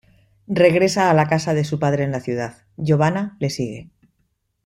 Regresa a la casa de su padre en la ciudad, Giovanna le sigue.